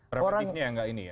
preventifnya enggak ini ya